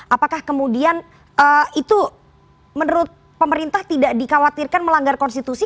apakah kemudian itu menurut pemerintah tidak dikhawatirkan melanggar konstitusi